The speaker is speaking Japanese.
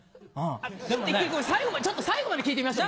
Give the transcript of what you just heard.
ちょっと一回ごめん最後まで聞いてみましょう。